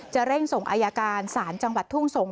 เร่งส่งอายการศาลจังหวัดทุ่งสงศ